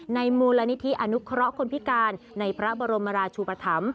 มูลนิธิอนุเคราะห์คนพิการในพระบรมราชุปธรรม